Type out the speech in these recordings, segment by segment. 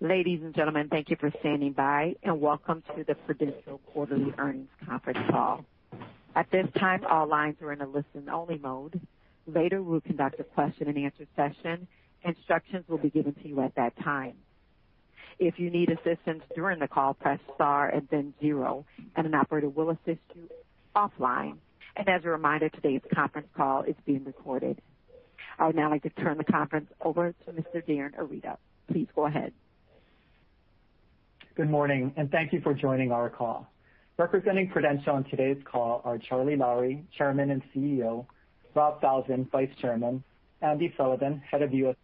Ladies and gentlemen, thank you for standing by, and welcome to the Prudential quarterly earnings conference call. At this time, all lines are in a listen-only mode. Later, we'll conduct a question-and-answer session. Instructions will be given to you at that time. If you need assistance during the call, press star and then zero, and an operator will assist you offline. As a reminder, today's conference call is being recorded. I would now like to turn the conference over to Mr. Darin Arita. Please go ahead. Good morning, thank you for joining our call. Representing Prudential on today's call are Charles Lowrey, Chairman and CEO; Rob Falzon, Vice Chairman; Andy Sullivan, Head of U.S. Businesses.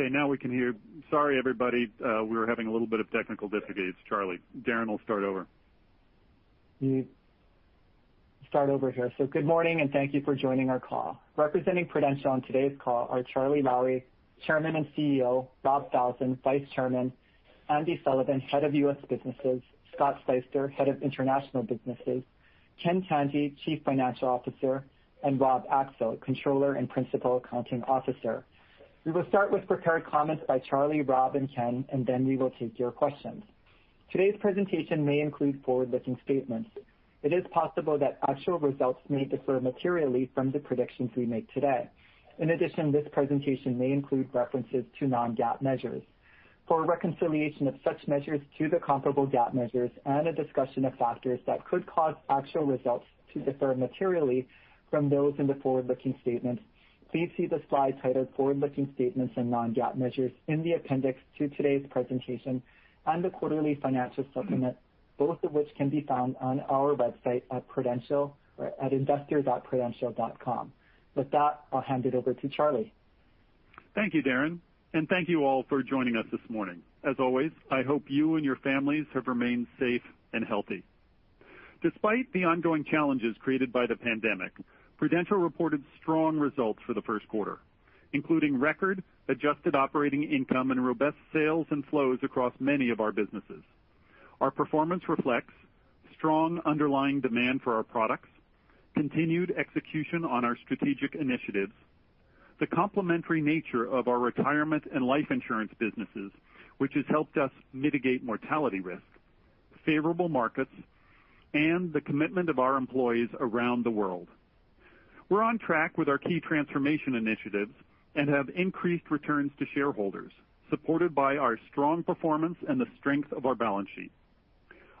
Okay, now we can hear. Sorry, everybody. We were having a little bit of technical difficulties. Charlie. Darin will start over. Start over here. Good morning, and thank you for joining our call. Representing Prudential on today's call are Charles Lowrey, Chairman and CEO; Rob Falzon, Vice Chairman; Andy Sullivan, Head of U.S. Businesses; Scott Sleyster, Head of International Businesses; Ken Tanji, Chief Financial Officer; and Rob Axel, Controller and Principal Accounting Officer. We will start with prepared comments by Charles, Rob, and Ken, and then we will take your questions. Today's presentation may include forward-looking statements. It is possible that actual results may differ materially from the predictions we make today. In addition, this presentation may include references to non-GAAP measures. For a reconciliation of such measures to the comparable GAAP measures and a discussion of factors that could cause actual results to differ materially from those in the forward-looking statements, please see the slide titled Forward-Looking Statements and Non-GAAP Measures in the appendix to today's presentation and the quarterly financial supplement, both of which can be found on our website at investor.prudential.com. With that, I'll hand it over to Charlie. Thank you, Darin, and thank you all for joining us this morning. As always, I hope you and your families have remained safe and healthy. Despite the ongoing challenges created by the pandemic, Prudential reported strong results for the first quarter, including record adjusted operating income and robust sales and flows across many of our businesses. Our performance reflects strong underlying demand for our products, continued execution on our strategic initiatives, the complementary nature of our retirement and life insurance businesses, which has helped us mitigate mortality risk, favorable markets, and the commitment of our employees around the world. We're on track with our key transformation initiatives and have increased returns to shareholders, supported by our strong performance and the strength of our balance sheet.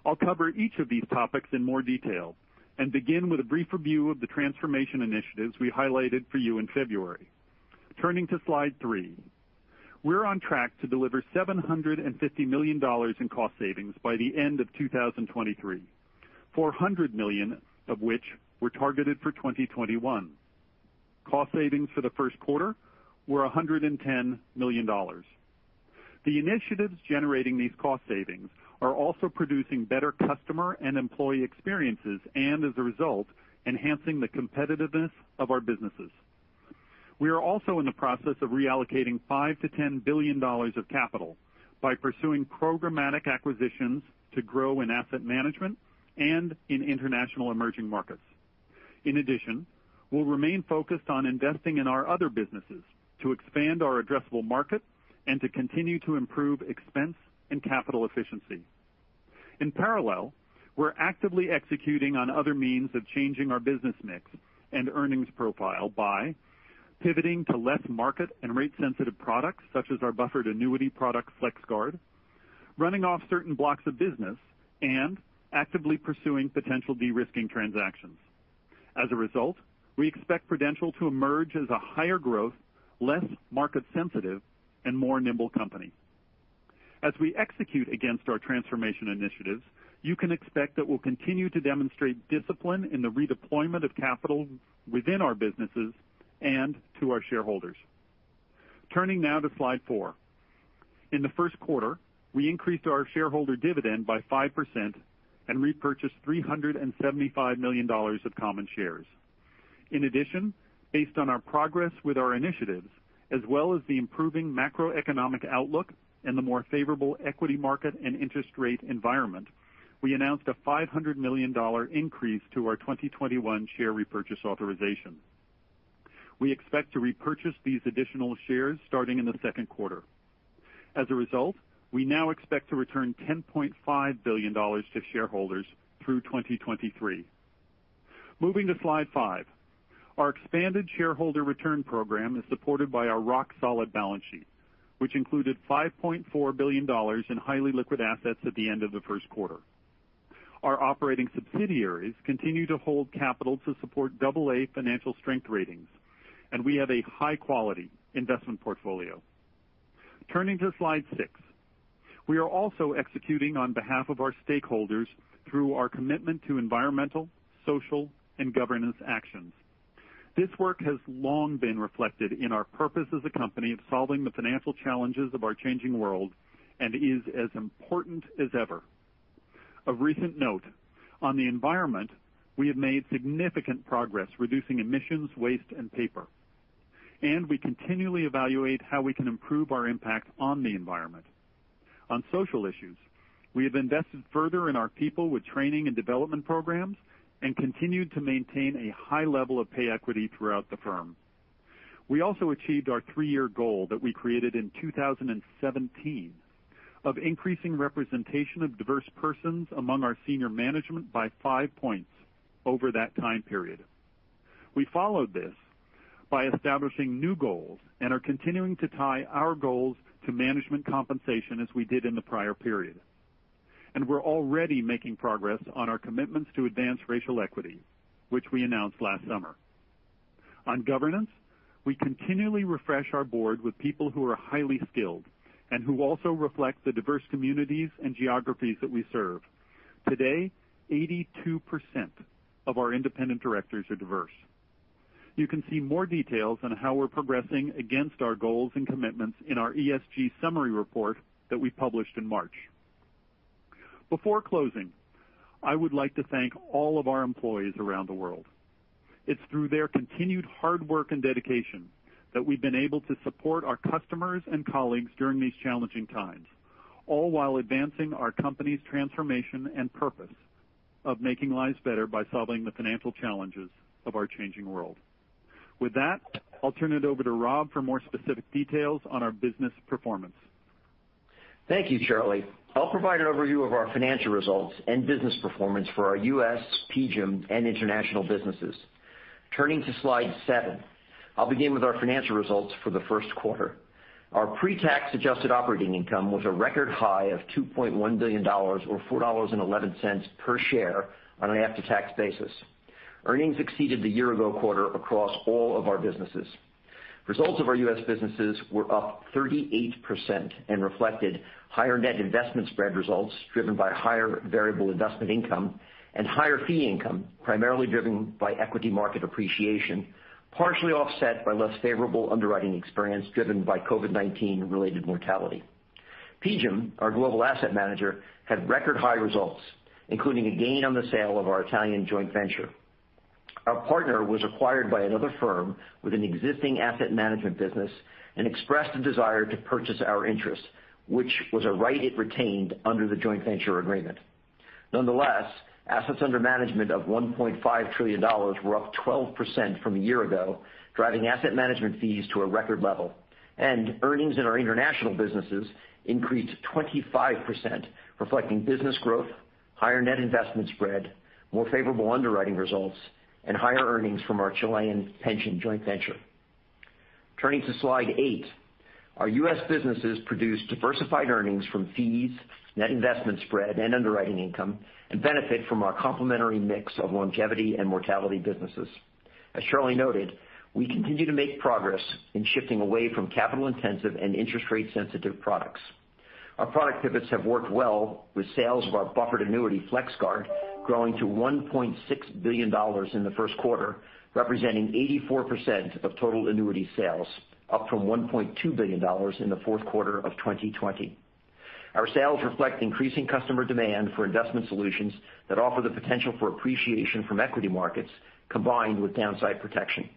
I'll cover each of these topics in more detail and begin with a brief review of the transformation initiatives we highlighted for you in February. Turning to slide three. We're on track to deliver $750 million in cost savings by the end of 2023, $400 million of which were targeted for 2021. Cost savings for the first quarter were $110 million. The initiatives generating these cost savings are also producing better customer and employee experiences and, as a result, enhancing the competitiveness of our businesses. We are also in the process of reallocating $5 billion-$10 billion of capital by pursuing programmatic acquisitions to grow in asset management and in international emerging markets. In addition, we'll remain focused on investing in our other businesses to expand our addressable market and to continue to improve expense and capital efficiency. In parallel, we're actively executing on other means of changing our business mix and earnings profile by pivoting to less market and rate-sensitive products, such as our buffered annuity product, FlexGuard, running off certain blocks of business, and actively pursuing potential de-risking transactions. As a result, we expect Prudential to emerge as a higher growth, less market-sensitive, and more nimble company. As we execute against our transformation initiatives, you can expect that we'll continue to demonstrate discipline in the redeployment of capital within our businesses and to our shareholders. Turning now to slide four. In the first quarter, we increased our shareholder dividend by 5% and repurchased $375 million of common shares. In addition, based on our progress with our initiatives as well as the improving macroeconomic outlook and the more favorable equity market and interest rate environment, we announced a $500 million increase to our 2021 share repurchase authorization. We expect to repurchase these additional shares starting in the second quarter. As a result, we now expect to return $10.5 billion to shareholders through 2023. Moving to slide five. Our expanded shareholder return program is supported by our rock-solid balance sheet, which included $5.4 billion in highly liquid assets at the end of the first quarter. Our operating subsidiaries continue to hold capital to support AA financial strength ratings, and we have a high-quality investment portfolio. Turning to slide six. We are also executing on behalf of our stakeholders through our commitment to environmental, social, and governance actions. This work has long been reflected in our purpose as a company of solving the financial challenges of our changing world and is as important as ever. A recent note, on the environment, we have made significant progress reducing emissions, waste, and paper, and we continually evaluate how we can improve our impact on the environment. On social issues, we have invested further in our people with training and development programs and continue to maintain a high level of pay equity throughout the firm. We also achieved our three-year goal that we created in 2017 of increasing representation of diverse persons among our senior management by five points over that time period. We followed this by establishing new goals and are continuing to tie our goals to management compensation as we did in the prior period. We're already making progress on our commitments to advance racial equity, which we announced last summer. On governance, we continually refresh our board with people who are highly skilled and who also reflect the diverse communities and geographies that we serve. Today, 82% of our independent directors are diverse. You can see more details on how we're progressing against our goals and commitments in our ESG summary report that we published in March. Before closing, I would like to thank all of our employees around the world. It's through their continued hard work and dedication that we've been able to support our customers and colleagues during these challenging times, all while advancing our company's transformation and purpose of making lives better by solving the financial challenges of our changing world. With that, I'll turn it over to Rob for more specific details on our business performance. Thank you, Charlie. I'll provide an overview of our financial results and business performance for our U.S., PGIM, and international businesses. Turning to slide seven, I'll begin with our financial results for the first quarter. Our pre-tax adjusted operating income was a record high of $2.1 billion, or $4.11 per share on an after-tax basis. Earnings exceeded the year-ago quarter across all of our businesses. Results of our U.S. businesses were up 38% and reflected higher net investment spread results, driven by higher variable investment income and higher fee income, primarily driven by equity market appreciation, partially offset by less favorable underwriting experience driven by COVID-19 related mortality. PGIM, our global asset manager, had record high results, including a gain on the sale of our Italian joint venture. Our partner was acquired by another firm with an existing asset management business and expressed a desire to purchase our interest, which was a right it retained under the joint venture agreement. Nonetheless, assets under management of $1.5 trillion were up 12% from a year ago, driving asset management fees to a record level, and earnings in our international businesses increased 25%, reflecting business growth, higher net investment spread, more favorable underwriting results, and higher earnings from our Chilean pension joint venture. Turning to slide eight. Our U.S. businesses produced diversified earnings from fees, net investment spread, and underwriting income, and benefit from our complementary mix of longevity and mortality businesses. As Charlie noted, we continue to make progress in shifting away from capital-intensive and interest rate sensitive products. Our product pivots have worked well with sales of our buffered annuity FlexGuard growing to $1.6 billion in the first quarter, representing 84% of total annuity sales, up from $1.2 billion in the fourth quarter of 2020. Our sales reflect increasing customer demand for investment solutions that offer the potential for appreciation from equity markets combined with downside protection.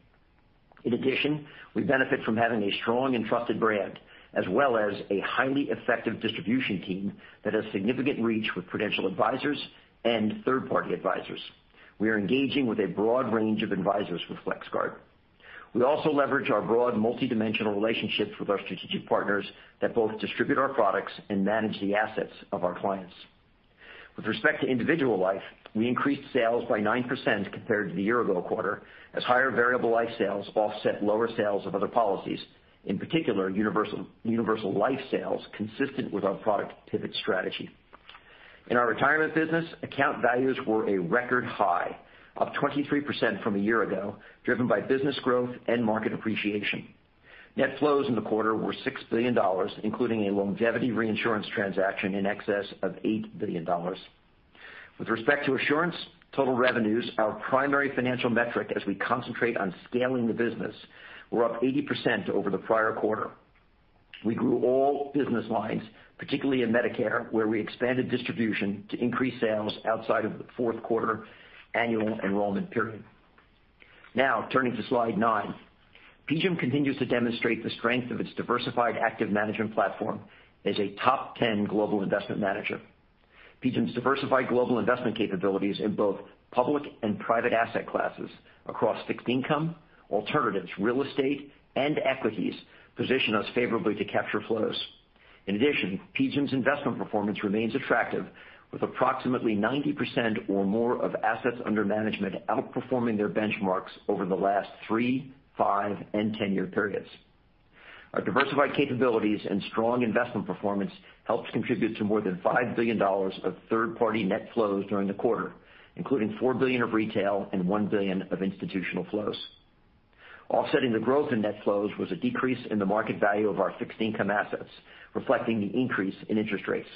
In addition, we benefit from having a strong and trusted brand as well as a highly effective distribution team that has significant reach with Prudential Advisors and third-party advisors. We are engaging with a broad range of advisors for FlexGuard. We also leverage our broad multidimensional relationships with our strategic partners that both distribute our products and manage the assets of our clients. With respect to individual life, we increased sales by 9% compared to the year-ago quarter as higher variable life sales offset lower sales of other policies, in particular universal life sales consistent with our product pivot strategy. In our retirement business, account values were a record high, up 23% from a year ago, driven by business growth and market appreciation. Net flows in the quarter were $6 billion, including a longevity reinsurance transaction in excess of $8 billion. With respect to Assurance, total revenues, our primary financial metric as we concentrate on scaling the business, were up 80% over the prior quarter. We grew all business lines, particularly in Medicare, where we expanded distribution to increase sales outside of the fourth quarter annual enrollment period. Turning to slide nine. PGIM continues to demonstrate the strength of its diversified active management platform as a top 10 global investment manager. PGIM's diversified global investment capabilities in both public and private asset classes across fixed income, alternatives, real estate, and equities position us favorably to capture flows. In addition, PGIM's investment performance remains attractive, with approximately 90% or more of assets under management outperforming their benchmarks over the last three, five, and 10-year periods. Our diversified capabilities and strong investment performance helps contribute to more than $5 billion of third-party net flows during the quarter, including $4 billion of retail and $1 billion of institutional flows. Offsetting the growth in net flows was a decrease in the market value of our fixed income assets, reflecting the increase in interest rates.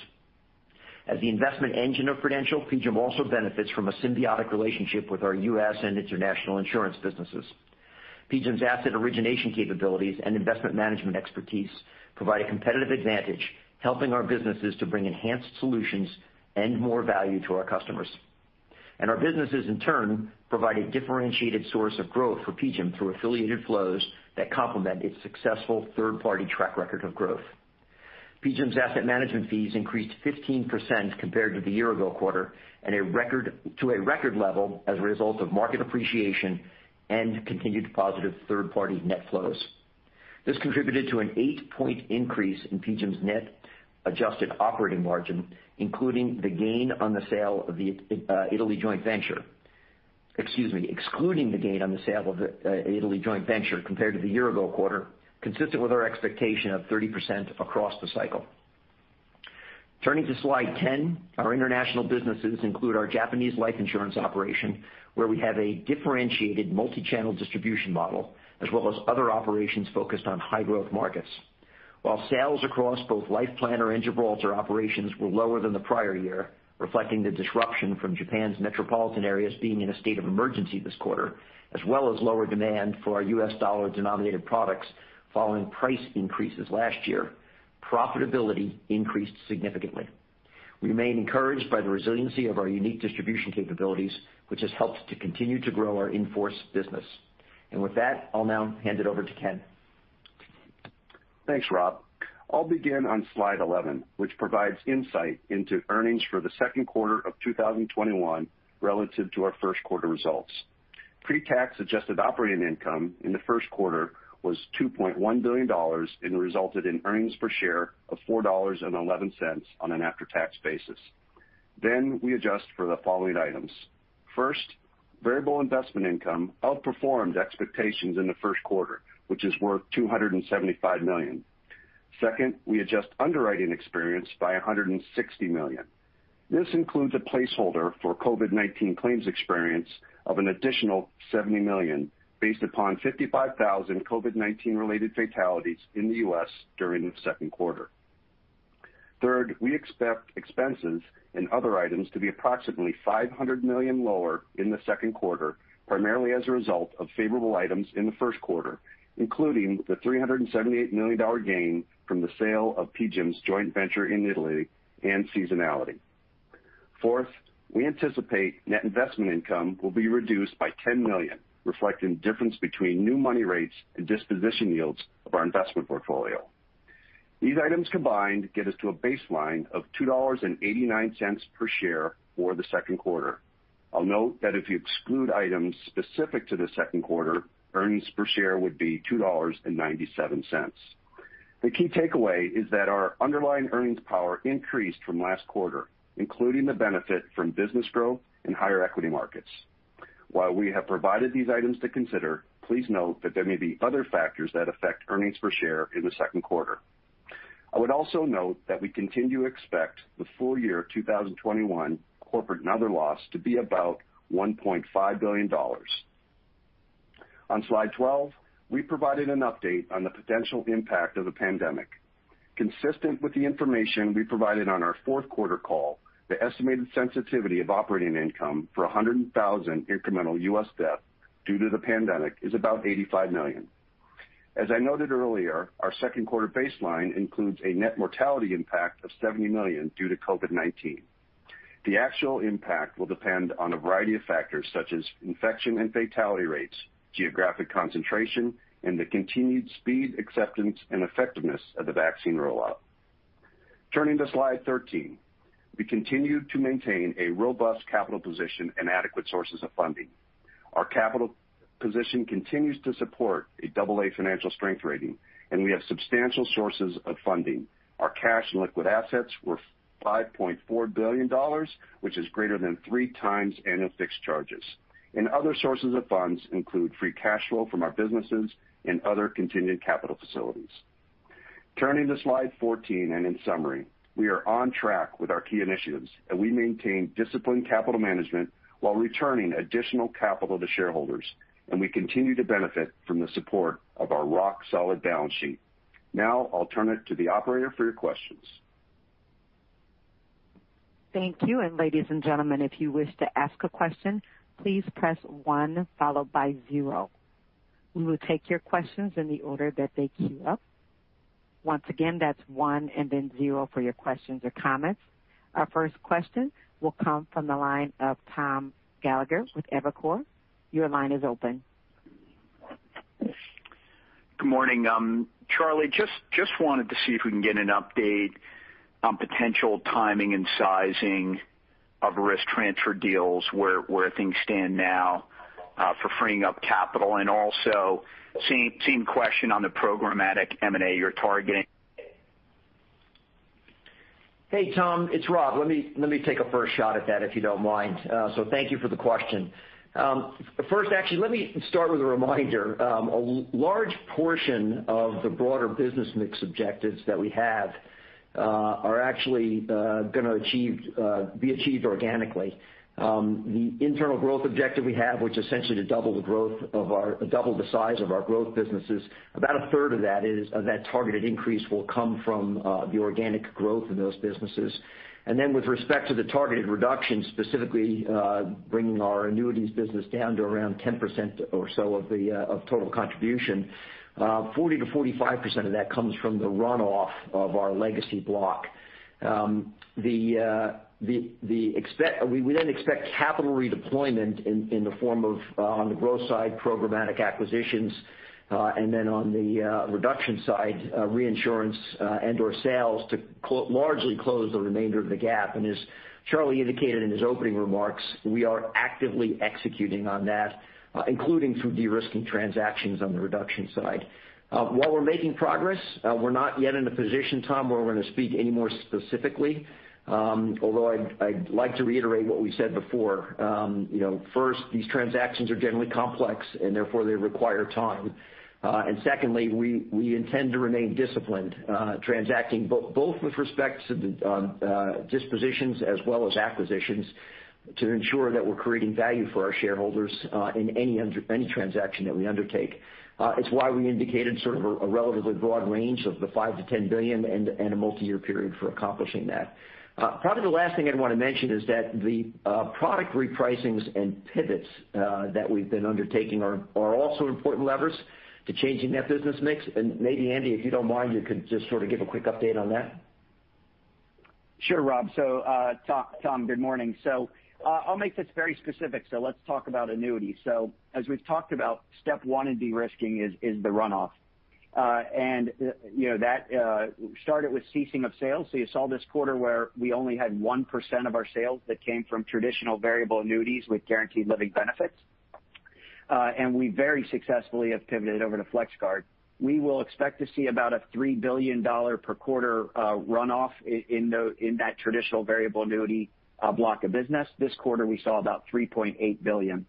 As the investment engine of Prudential, PGIM also benefits from a symbiotic relationship with our U.S. and international insurance businesses. PGIM's asset origination capabilities and investment management expertise provide a competitive advantage, helping our businesses to bring enhanced solutions and more value to our customers. Our businesses, in turn, provide a differentiated source of growth for PGIM through affiliated flows that complement its successful third-party track record of growth. PGIM's asset management fees increased 15% compared to the year-ago quarter, to a record level as a result of market appreciation and continued positive third-party net flows. This contributed to an 8-point increase in PGIM's net adjusted operating margin, including the gain on the sale of the Italy joint venture. Excuse me, excluding the gain on the sale of the Italy joint venture compared to the year-ago quarter, consistent with our expectation of 30% across the cycle. Turning to slide 10, our international businesses include our Japanese life insurance operation, where we have a differentiated multi-channel distribution model, as well as other operations focused on high-growth markets. While sales across both Life Planner and Gibraltar operations were lower than the prior year, reflecting the disruption from Japan's metropolitan areas being in a state of emergency this quarter, as well as lower demand for our U.S. dollar-denominated products following price increases last year, profitability increased significantly. We remain encouraged by the resiliency of our unique distribution capabilities, which has helped to continue to grow our in-force business. With that, I'll now hand it over to Ken. Thanks, Rob. I'll begin on slide 11, which provides insight into earnings for the second quarter of 2021 relative to our first quarter results. Pre-tax adjusted operating income in the first quarter was $2.1 billion and resulted in earnings per share of $4.11 on an after-tax basis. We adjust for the following items. First, variable investment income outperformed expectations in the first quarter, which is worth $275 million. Second, we adjust underwriting experience by $160 million. This includes a placeholder for COVID-19 claims experience of an additional $70 million based upon 55,000 COVID-19-related fatalities in the U.S. during the second quarter. Third, we expect expenses and other items to be approximately $500 million lower in the second quarter, primarily as a result of favorable items in the first quarter, including the $378 million gain from the sale of PGIM's joint venture in Italy and seasonality. Fourth, we anticipate net investment income will be reduced by $10 million, reflecting the difference between new money rates and disposition yields of our investment portfolio. These items combined get us to a baseline of $2.89 per share for the second quarter. I'll note that if you exclude items specific to the second quarter, earnings per share would be $2.97. The key takeaway is that our underlying earnings power increased from last quarter, including the benefit from business growth and higher equity markets. While we have provided these items to consider, please note that there may be other factors that affect earnings per share in the second quarter. I would also note that we continue to expect the full year 2021 Corporate and Other loss to be about $1.5 billion. On slide 12, we provided an update on the potential impact of the pandemic. Consistent with the information we provided on our fourth quarter call, the estimated sensitivity of operating income for 100,000 incremental U.S. deaths due to the pandemic is about $85 million. As I noted earlier, our second quarter baseline includes a net mortality impact of $70 million due to COVID-19. The actual impact will depend on a variety of factors such as infection and fatality rates, geographic concentration, and the continued speed, acceptance, and effectiveness of the vaccine rollout. Turning to slide 13. We continue to maintain a robust capital position and adequate sources of funding. Our capital position continues to support a double A financial strength rating, we have substantial sources of funding. Our cash and liquid assets were $5.4 billion, which is greater than three times fixed charges. Other sources of funds include free cash flow from our businesses and other continued capital facilities. Turning to slide 14 and in summary, we are on track with our key initiatives, and we maintain disciplined capital management while returning additional capital to shareholders, and we continue to benefit from the support of our rock-solid balance sheet. Now I'll turn it to the operator for your questions. Ladies and gentlemen, if you wish to ask a question, please press one followed by zero. We will take your questions in the order that they queue up. Once again, that's one and then zero for your questions or comments. Our first question will come from the line of Tom Gallagher with Evercore. Your line is open. Good morning. Charlie, just wanted to see if we can get an update on potential timing and sizing of risk transfer deals, where things stand now for freeing up capital, and also same question on the programmatic M&A you're targeting? Hey, Tom, it's Rob. Let me take a first shot at that, if you don't mind. Thank you for the question. First, actually, let me start with a reminder. A large portion of the broader business mix objectives that we have are actually going to be achieved organically. The internal growth objective we have, which essentially to double the size of our growth businesses, about a third of that targeted increase will come from the organic growth in those businesses. With respect to the targeted reduction, specifically bringing our annuities business down to around 10% or so of total contribution, 40%-45% of that comes from the runoff of our legacy block. We expect capital redeployment in the form of, on the growth side, programmatic acquisitions. On the reduction side, reinsurance and/or sales to largely close the remainder of the gap. As Charlie indicated in his opening remarks, we are actively executing on that, including through de-risking transactions on the reduction side. While we're making progress, we're not yet in a position, Tom, where we're going to speak any more specifically. I'd like to reiterate what we said before. First, these transactions are generally complex, and therefore, they require time. Secondly, we intend to remain disciplined transacting both with respect to dispositions as well as acquisitions to ensure that we're creating value for our shareholders in any transaction that we undertake. It's why we indicated sort of a relatively broad range of the $5 billion-$10 billion and a multi-year period for accomplishing that. Probably the last thing I'd want to mention is that the product repricings and pivots that we've been undertaking are also important levers to changing that business mix. Maybe, Andy, if you don't mind, you could just sort of give a quick update on that. Sure, Rob. Tom, good morning. I'll make this very specific. Let's talk about annuities. As we've talked about, step one in de-risking is the runoff. That started with ceasing of sales. You saw this quarter where we only had 1% of our sales that came from traditional variable annuities with guaranteed living benefits. We very successfully have pivoted over to FlexGuard. We will expect to see about a $3 billion per quarter runoff in that traditional variable annuity block of business. This quarter, we saw about $3.8 billion.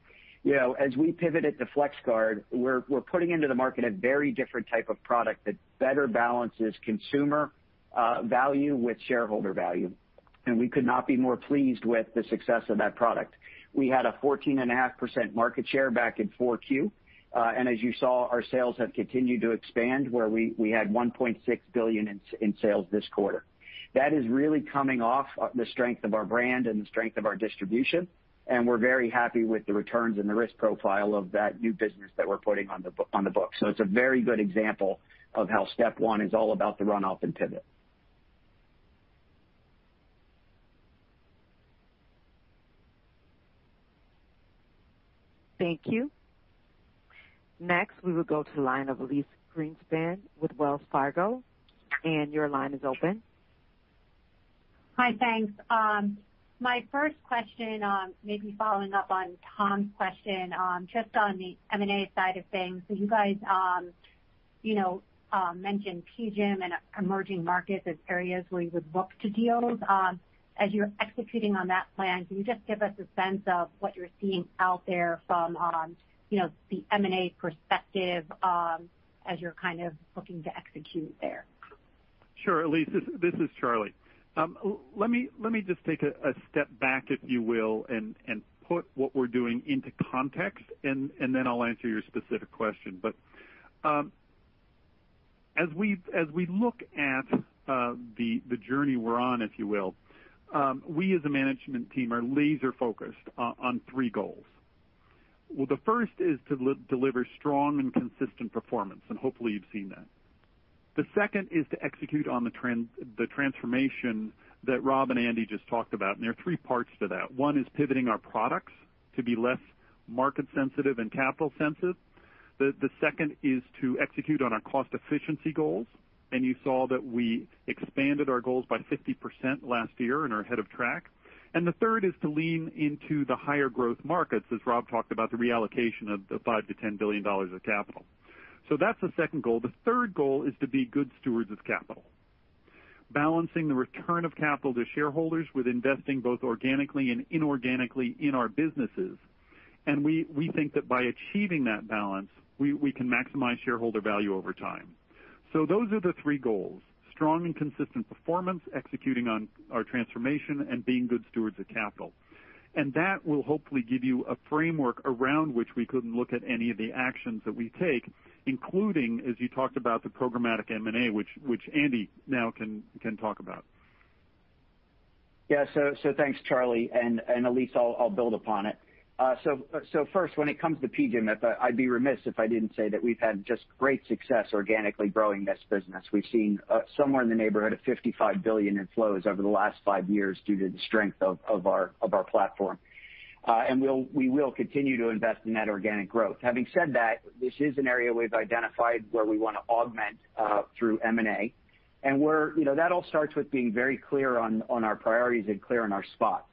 As we pivoted to FlexGuard, we're putting into the market a very different type of product that better balances consumer value with shareholder value, and we could not be more pleased with the success of that product. We had a 14.5% market share back in 4Q. As you saw, our sales have continued to expand where we had $1.6 billion in sales this quarter. That is really coming off the strength of our brand and the strength of our distribution, and we're very happy with the returns and the risk profile of that new business that we're putting on the book. It's a very good example of how step 1 is all about the runoff and pivot. Thank you. Next, we will go to the line of Elyse Greenspan with Wells Fargo. Your line is open. Hi, thanks. My first question, maybe following up on Tom's question, just on the M&A side of things. You guys mentioned PGIM and emerging markets as areas where you would look to deal. As you're executing on that plan, can you just give us a sense of what you're seeing out there from the M&A perspective as you're kind of looking to execute there? Sure, Elyse, this is Charlie. Let me just take a step back, if you will, and put what we're doing into context, and then I'll answer your specific question. As we look at the journey we're on, if you will, we as a management team are laser-focused on three goals. The first is to deliver strong and consistent performance, and hopefully, you've seen that. The second is to execute on the transformation that Rob and Andy just talked about. There are three parts to that. One is pivoting our products to be less market sensitive and capital sensitive. The second is to execute on our cost-efficiency goals. You saw that we expanded our goals by 50% last year and are ahead of track. The third is to lean into the higher growth markets, as Rob talked about the reallocation of the $5 billion-$10 billion of capital. That's the second goal. The third goal is to be good stewards of capital, balancing the return of capital to shareholders with investing both organically and inorganically in our businesses. We think that by achieving that balance, we can maximize shareholder value over time. Those are the three goals, strong and consistent performance, executing on our transformation, and being good stewards of capital. That will hopefully give you a framework around which we can look at any of the actions that we take, including, as you talked about, the programmatic M&A, which Andy now can talk about. Yeah. Thanks, Charlie. Elyse, I'll build upon it. First, when it comes to PGIM, I'd be remiss if I didn't say that we've had just great success organically growing this business. We've seen somewhere in the neighborhood of $55 billion in flows over the last five years due to the strength of our platform. We will continue to invest in that organic growth. Having said that, this is an area we've identified where we want to augment through M&A. That all starts with being very clear on our priorities and clear on our spots.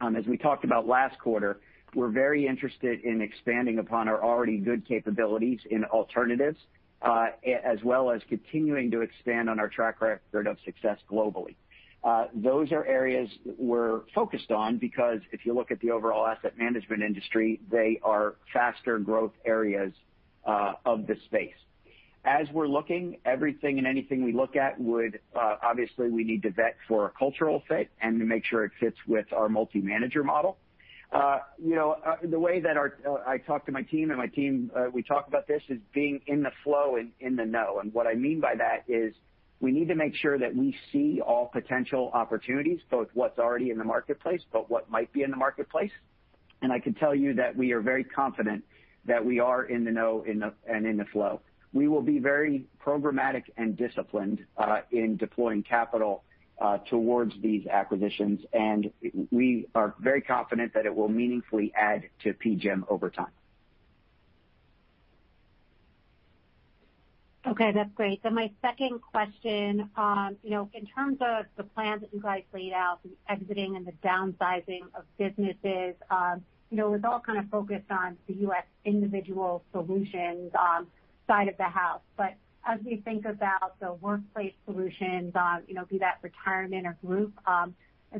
As we talked about last quarter, we're very interested in expanding upon our already good capabilities in alternatives, as well as continuing to expand on our track record of success globally. Those are areas we're focused on because if you look at the overall asset management industry, they are faster growth areas of the space. As we're looking, everything and anything we look at would, obviously, we need to vet for a cultural fit and to make sure it fits with our multi-manager model. The way that I talk to my team, we talk about this as being in the flow, in the know. What I mean by that is we need to make sure that we see all potential opportunities, both what's already in the marketplace, but what might be in the marketplace. I can tell you that we are very confident that we are in the know and in the flow. We will be very programmatic and disciplined in deploying capital towards these acquisitions, and we are very confident that it will meaningfully add to PGIM over time. That's great. My second question, in terms of the plans that you guys laid out, the exiting and the downsizing of businesses, it was all kind of focused on the U.S. Individual Solutions side of the house. As we think about the Workplace Solutions, be that Retirement or Group, are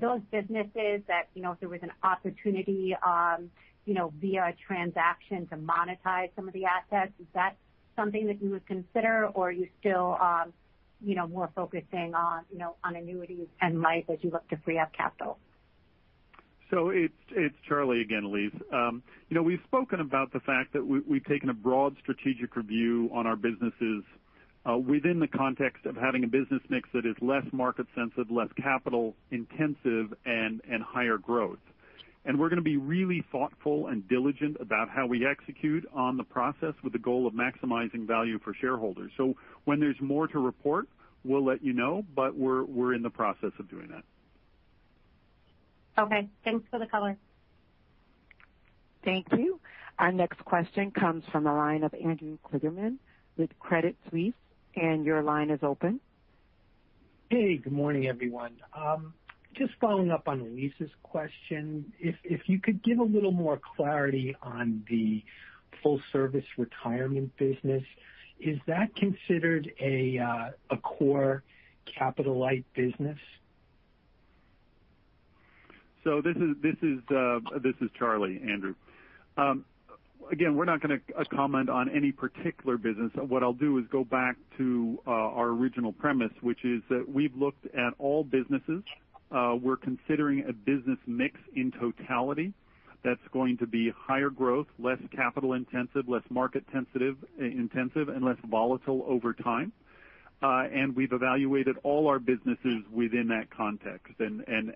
those businesses that if there was an opportunity via a transaction to monetize some of the assets, is that something that you would consider or are you still more focusing on annuities and life as you look to free up capital? It's Charlie again, Elyse. We've spoken about the fact that we've taken a broad strategic review on our businesses within the context of having a business mix that is less market sensitive, less capital intensive, and higher growth. We're going to be really thoughtful and diligent about how we execute on the process with the goal of maximizing value for shareholders. When there's more to report, we'll let you know, but we're in the process of doing that. Okay. Thanks for the color. Thank you. Our next question comes from the line of Andrew Kligerman with Credit Suisse. Your line is open. Hey, good morning, everyone. Just following up on Elyse's question. If you could give a little more clarity on the full service retirement business. Is that considered a core capital light business? This is Charlie, Andrew. Again, we're not going to comment on any particular business. What I'll do is go back to our original premise, which is that we've looked at all businesses. We're considering a business mix in totality that's going to be higher growth, less capital intensive, less market intensive, and less volatile over time. We've evaluated all our businesses within that context.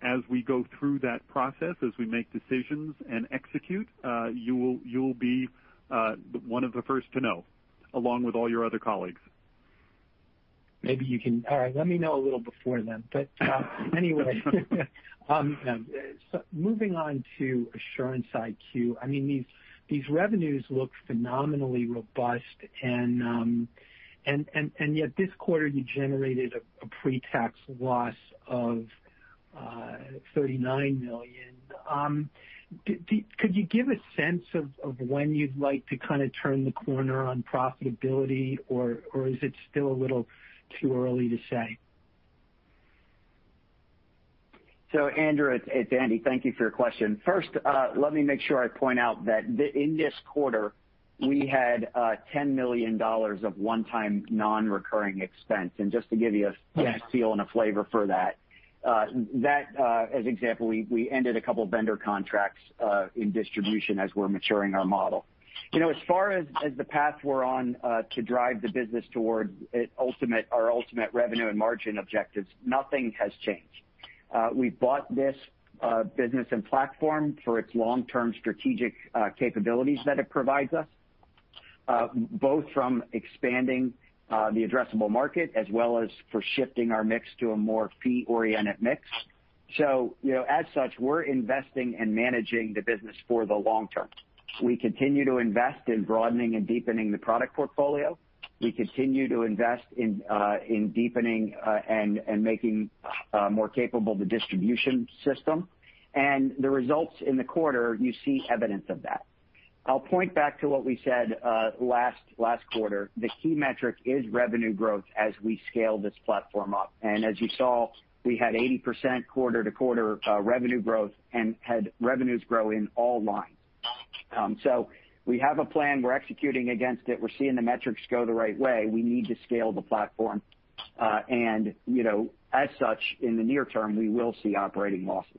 As we go through that process, as we make decisions and execute, you will be one of the first to know, along with all your other colleagues. All right, let me know a little before then. Anyway, moving on to Assurance IQ. These revenues look phenomenally robust and yet this quarter you generated a pre-tax loss of $39 million. Could you give a sense of when you'd like to kind of turn the corner on profitability, or is it still a little too early to say? Andrew, it's Andy. Thank you for your question. First, let me make sure I point out that in this quarter, we had $10 million of one-time non-recurring expense. Just to give you a feel a flavor for that, as example, we ended a couple of vendor contracts in distribution as we're maturing our model. As far as the path we're on to drive the business toward our ultimate revenue and margin objectives, nothing has changed. We bought this business and platform for its long-term strategic capabilities that it provides us, both from expanding the addressable market as well as for shifting our mix to a more fee-oriented mix. As such, we're investing and managing the business for the long term. We continue to invest in broadening and deepening the product portfolio. We continue to invest in deepening and making more capable the distribution system. The results in the quarter, you see evidence of that. I'll point back to what we said last quarter. The key metric is revenue growth as we scale this platform up. As you saw, we had 80% quarter-over-quarter revenue growth and had revenues grow in all lines. We have a plan, we're executing against it. We're seeing the metrics go the right way. We need to scale the platform. As such, in the near term, we will see operating losses.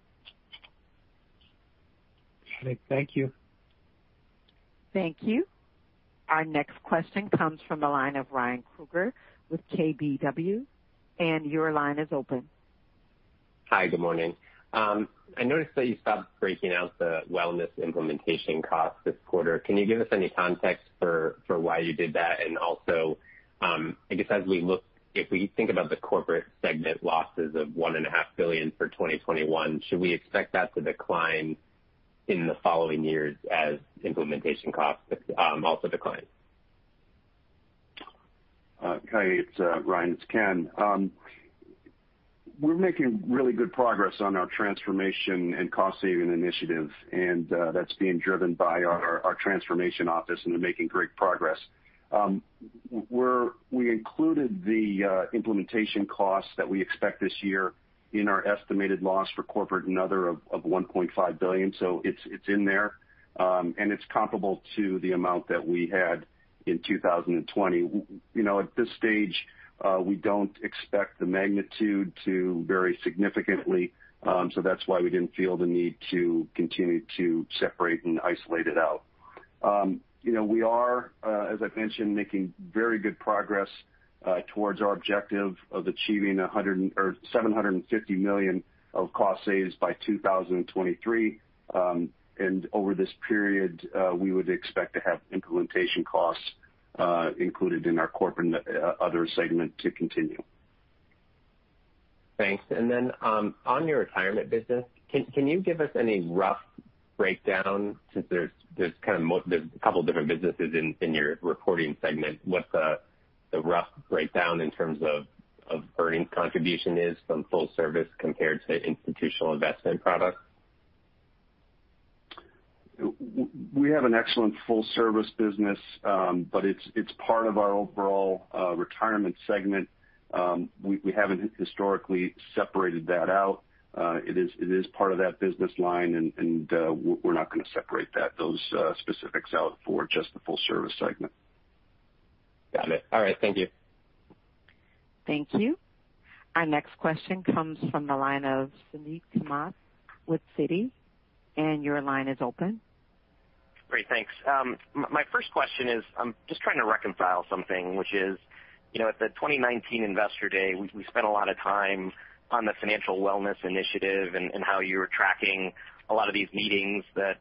Great. Thank you. Thank you. Our next question comes from the line of Ryan Krueger with KBW. Your line is open. Hi. Good morning. I noticed that you stopped breaking out the wellness implementation cost this quarter. Can you give us any context for why you did that? Also, I guess as we look, if we think about the corporate segment losses of one and a half billion dollars for 2021, should we expect that to decline in the following years as implementation costs also decline? Hi, it's Ryan. It's Ken. We're making really good progress on our transformation and cost-saving initiative, and that's being driven by our transformation office, and they're making great progress. We included the implementation costs that we expect this year in our estimated loss for Corporate and Other of $1.5 billion. It's in there, and it's comparable to the amount that we had in 2020. At this stage, we don't expect the magnitude to vary significantly. That's why we didn't feel the need to continue to separate and isolate it out. We are, as I mentioned, making very good progress towards our objective of achieving $750 million of cost saves by 2023. Over this period, we would expect to have implementation costs included in our Corporate and Other segment to continue. Thanks. On your retirement business, can you give us any rough breakdown since there's a couple of different businesses in your reporting segment, what the rough breakdown in terms of earnings contribution is from full service compared to institutional investment products? We have an excellent full-service business, it's part of our overall retirement segment. We haven't historically separated that out. It is part of that business line, we're not going to separate those specifics out for just the full service segment. Got it. All right. Thank you. Thank you. Our next question comes from the line of Suneet Kamath with Citi. Your line is open. Great, thanks. My first question is I'm just trying to reconcile something, which is, at the 2019 Investor Day, we spent a lot of time on the Financial Wellness Initiative and how you were tracking a lot of these meetings that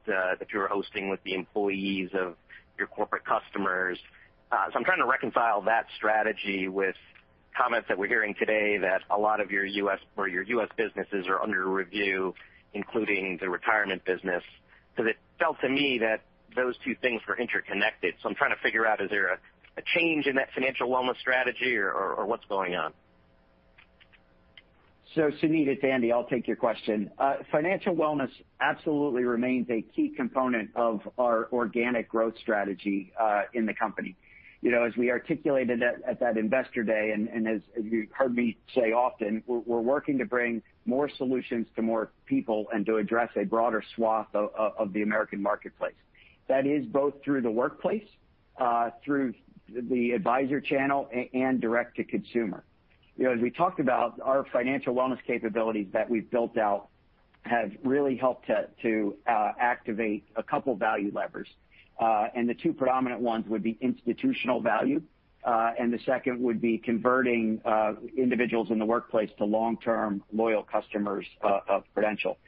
you were hosting with the employees of your corporate customers. I'm trying to reconcile that strategy with comments that we're hearing today that a lot of your U.S. businesses are under review, including the retirement business, because it felt to me that those two things were interconnected. I'm trying to figure out, is there a change in that Financial Wellness Strategy, or what's going on? Suneet, it's Andy. I'll take your question. Financial wellness absolutely remains a key component of our organic growth strategy in the company. As we articulated at that Investor Day, and as you've heard me say often, we're working to bring more solutions to more people and to address a broader swath of the American marketplace. That is both through the workplace, through the advisor channel, and direct to consumer. As we talked about, our financial wellness capabilities that we've built out have really helped to activate a couple of value levers. The two predominant ones would be institutional value, and the second would be converting individuals in the workplace to long-term, loyal customers of Prudential.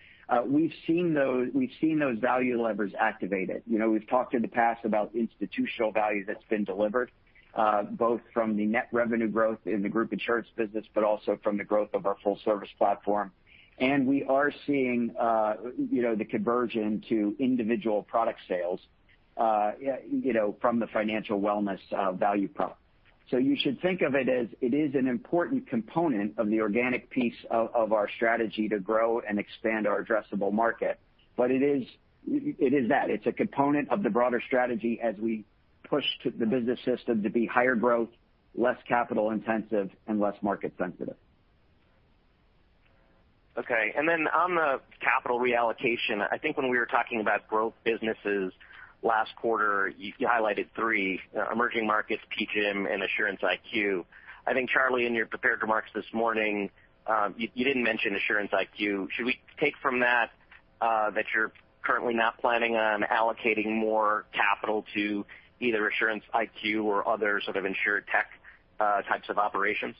We've seen those value levers activated. We've talked in the past about institutional value that's been delivered both from the net revenue growth in the group insurance business, but also from the growth of our full-service platform. We are seeing the conversion to individual product sales from the financial wellness value prop. You should think of it as it is an important component of the organic piece of our strategy to grow and expand our addressable market. It is that. It's a component of the broader strategy as we push the business system to be higher growth, less capital intensive, and less market sensitive. Okay. Then on the capital reallocation, I think when we were talking about growth businesses last quarter, you highlighted three: emerging markets, PGIM and Assurance IQ. I think Charlie, in your prepared remarks this morning, you didn't mention Assurance IQ. Should we take from that that you're currently not planning on allocating more capital to either Assurance IQ or other sort of insurtech types of operations?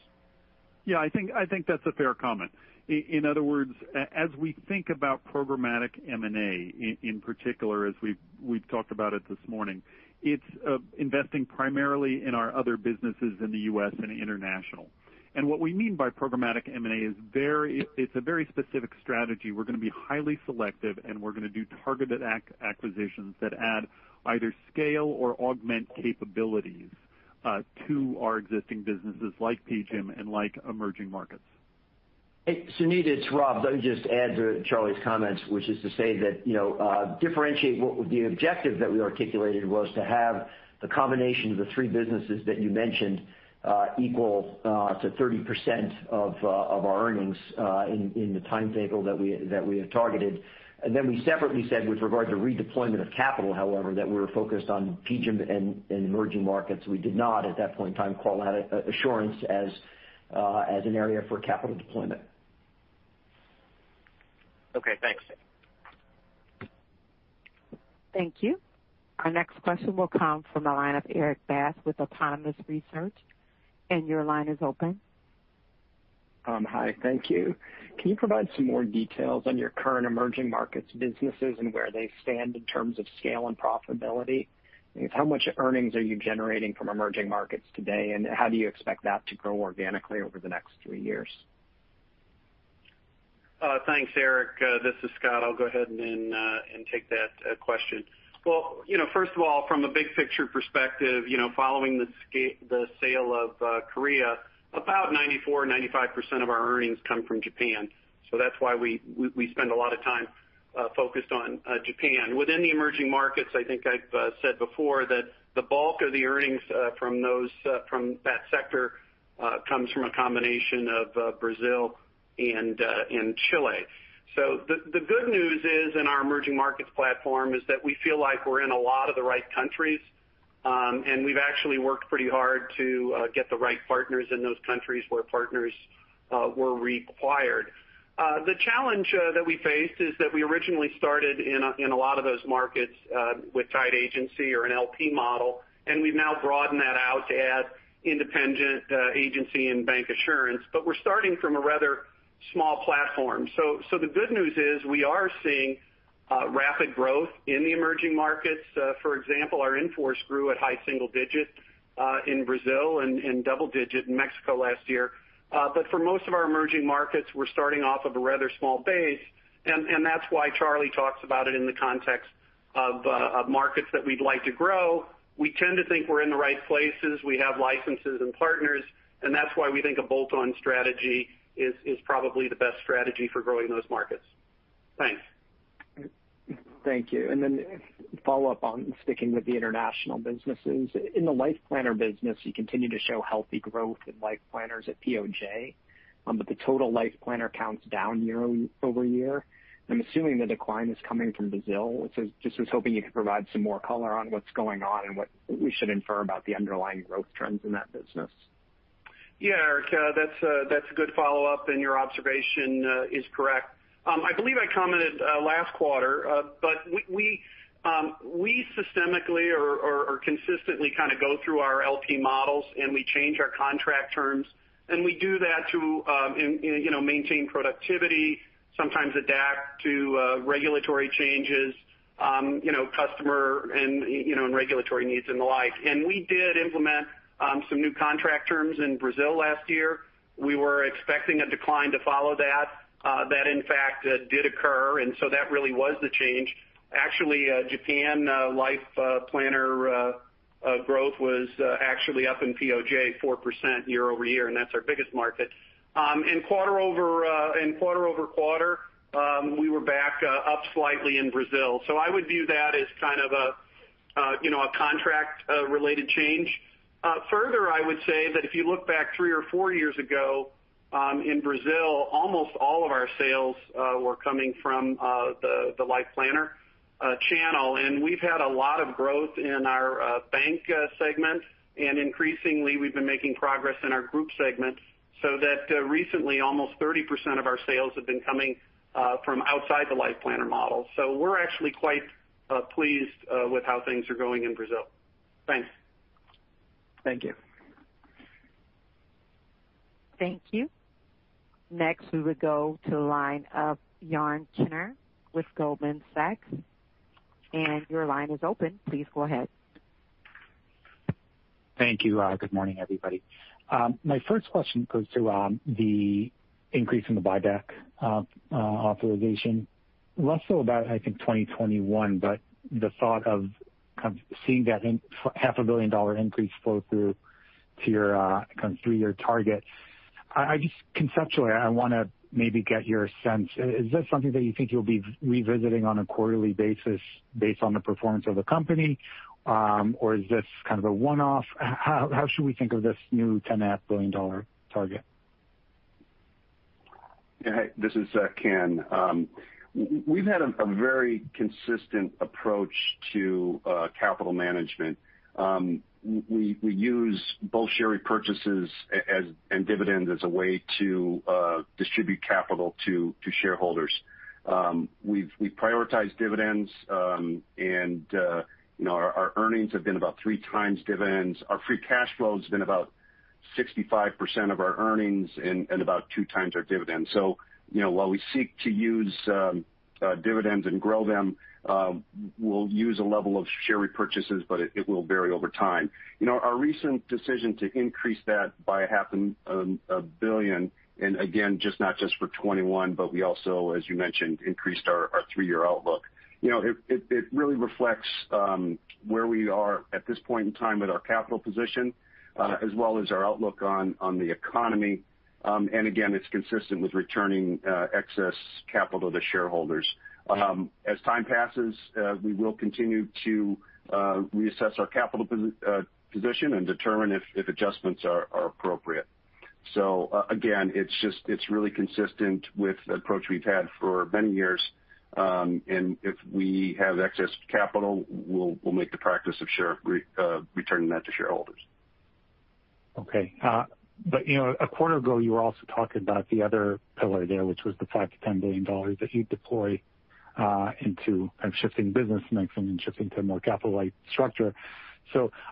Yeah, I think that's a fair comment. In other words, as we think about programmatic M&A, in particular, as we've talked about it this morning, it's investing primarily in our other businesses in the U.S. and international. What we mean by programmatic M&A is it's a very specific strategy. We're going to be highly selective, and we're going to do targeted acquisitions that add either scale or augment capabilities to our existing businesses like PGIM and like emerging markets. Hey, Suneet, it's Rob. Let me just add to Charlie's comments, which is to say that differentiate what the objective that we articulated was to have the combination of the three businesses that you mentioned equal to 30% of our earnings in the timetable that we have targeted. We separately said with regard to redeployment of capital, however, that we were focused on PGIM and emerging markets. We did not, at that point in time, call out Assurance as an area for capital deployment. Okay, thanks. Thank you. Our next question will come from the line of Erik Bass with Autonomous Research. Your line is open. Hi, thank you. Can you provide some more details on your current emerging markets businesses and where they stand in terms of scale and profitability? I guess how much earnings are you generating from emerging markets today, and how do you expect that to grow organically over the next three years? Thanks, Erik. This is Scott. I'll go ahead and take that question. First of all, from a big picture perspective, following the sale of Korea, about 94%, 95% of our earnings come from Japan. That's why we spend a lot of time focused on Japan. Within the emerging markets, I think I've said before that the bulk of the earnings from that sector comes from a combination of Brazil and Chile. The good news is, in our emerging markets platform, is that we feel like we're in a lot of the right countries. We've actually worked pretty hard to get the right partners in those countries where partners were required. The challenge that we faced is that we originally started in a lot of those markets with tied agency or an LP model, we've now broadened that out to add independent agency and bancassurance. We're starting from a rather small platform. The good news is we are seeing rapid growth in the emerging markets. For example, our in-force grew at high single digit in Brazil and double digit in Mexico last year. For most of our emerging markets, we're starting off of a rather small base, and that's why Charlie talks about it in the context of markets that we'd like to grow. We tend to think we're in the right places. We have licenses and partners, and that's why we think a bolt-on strategy is probably the best strategy for growing those markets. Thanks. Thank you. Follow-up on sticking with the International Businesses. In the Life Planner business, you continue to show healthy growth in Life Planners at POJ, but the total Life Planner counts down year-over-year. I'm assuming the decline is coming from Brazil. Just was hoping you could provide some more color on what's going on and what we should infer about the underlying growth trends in that business. Yeah, Erik, that's a good follow-up. Your observation is correct. I believe I commented last quarter, we systemically or consistently kind of go through our LP models, we change our contract terms, we do that to maintain productivity, sometimes adapt to regulatory changes, customer and regulatory needs, and the like. We did implement some new contract terms in Brazil last year. We were expecting a decline to follow that. That in fact did occur, that really was the change. Actually, Japan Life Planner growth was actually up in POJ 4% year-over-year, that's our biggest market. In quarter-over-quarter, we were back up slightly in Brazil, I would view that as kind of a contract-related change. Further, I would say that if you look back three or four years ago, in Brazil, almost all of our sales were coming from the Life Planner channel, and we've had a lot of growth in our bank segment. Increasingly, we've been making progress in our group segment, so that recently almost 30% of our sales have been coming from outside the Life Planner model. We're actually quite pleased with how things are going in Brazil. Thanks. Thank you. Thank you. Next, we will go to the line of Yaron Kinar with Goldman Sachs. Your line is open. Please go ahead. Thank you. Good morning, everybody. My first question goes to the increase in the buyback authorization, less so about, I think, 2021, but the thought of kind of seeing that half a billion dollar increase flow through to your kind of three-year target. Just conceptually, I want to maybe get your sense. Is this something that you think you'll be revisiting on a quarterly basis based on the performance of the company? Or is this kind of a one-off? How should we think of this new $10.5 billion target? Hey, this is Ken. We've had a very consistent approach to capital management. We use both share repurchases and dividends as a way to distribute capital to shareholders. We prioritize dividends, and our earnings have been about three times dividends. Our free cash flow has been about 65% of our earnings and about two times our dividends. While we seek to use dividends and grow them, we'll use a level of share repurchases, but it will vary over time. Our recent decision to increase that by half a billion, and again, not just for 2021, but we also, as you mentioned, increased our three-year outlook. It really reflects where we are at this point in time with our capital position, as well as our outlook on the economy. Again, it's consistent with returning excess capital to shareholders. As time passes, we will continue to reassess our capital position and determine if adjustments are appropriate. Again, it's really consistent with the approach we've had for many years, and if we have excess capital, we'll make the practice of returning that to shareholders. Okay. A quarter ago, you were also talking about the other pillar there, which was the $5 billion-$10 billion that you'd deploy into kind of shifting business mix and shifting to a more capital light structure.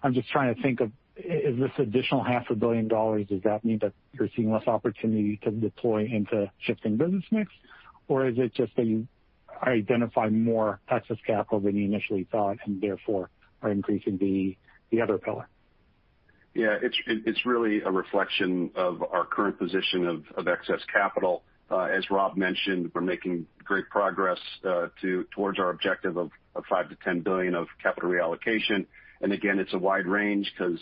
I'm just trying to think of, is this additional half a billion dollars, does that mean that you're seeing less opportunity to deploy into shifting business mix? Or is it just that you identified more excess capital than you initially thought and therefore are increasing the other pillar? Yeah, it's really a reflection of our current position of excess capital. As Rob mentioned, we're making great progress towards our objective of a $5 billion-$10 billion of capital reallocation. Again, it's a wide range because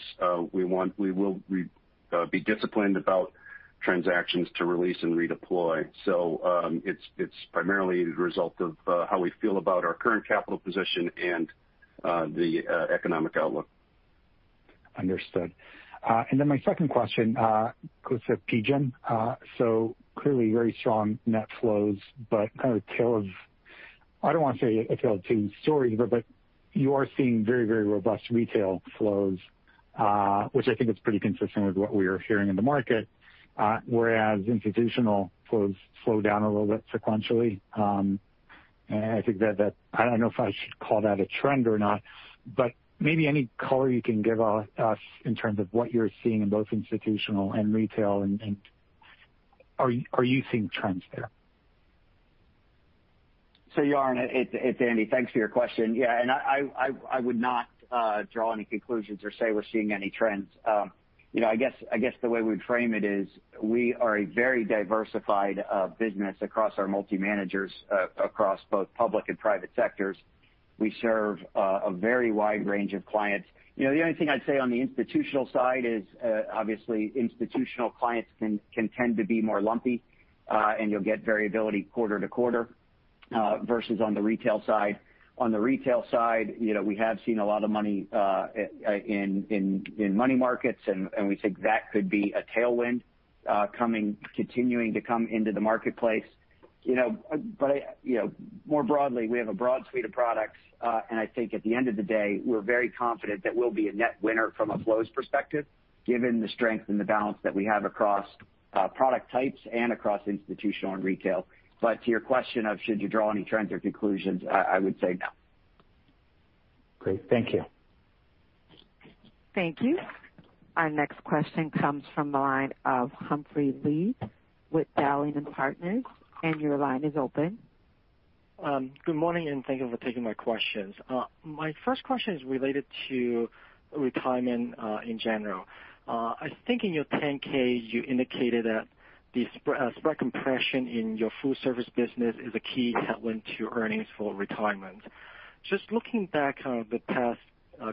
we will be disciplined about transactions to release and redeploy. It's primarily the result of how we feel about our current capital position and the economic outlook. Understood. My second question goes to PGIM. Clearly very strong net flows, but I don't want to say a tale of two stories, but you are seeing very, very robust retail flows, which I think is pretty consistent with what we are hearing in the market. Whereas institutional flows slow down a little bit sequentially. I don't know if I should call that a trend or not, but maybe any color you can give us in terms of what you're seeing in both institutional and retail, and are you seeing trends there? Yaron Kinar, it's Andy. Thanks for your question. I would not draw any conclusions or say we're seeing any trends. The way we'd frame it is we are a very diversified business across our multi-managers, across both public and private sectors. We serve a very wide range of clients. The only thing I'd say on the institutional side is, obviously institutional clients can tend to be more lumpy, and you'll get variability quarter to quarter, versus on the retail side. On the retail side, we have seen a lot of money in money markets, and we think that could be a tailwind continuing to come into the marketplace. More broadly, we have a broad suite of products. I think at the end of the day, we're very confident that we'll be a net winner from a flows perspective, given the strength and the balance that we have across product types and across institutional and retail. To your question of should you draw any trends or conclusions, I would say no. Great. Thank you. Thank you. Our next question comes from the line of Humphrey Lee with Dowling & Partners, your line is open. Good morning. Thank you for taking my questions. My first question is related to retirement, in general. I think in your 10-K, you indicated that the spread compression in your full service business is a key tailwind to earnings for retirement. Just looking back on the past